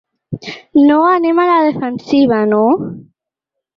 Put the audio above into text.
No anem a la defensiva, no.